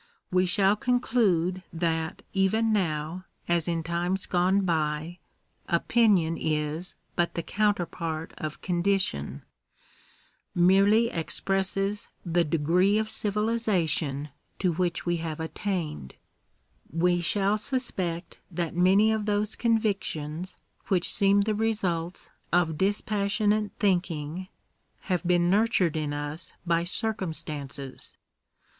We shall conclude that, even now, as in limes gone by, opinion is but the counterpart of condition — merely expresses the de Digitized by VjOOQIC THE RIGHTS OF CHILDREN. 177 gree of civilisation to which we have attained. We shall sus pect that many of those convictions which seem the results of dispassionate thinking, have been nurtured in us by circum stances.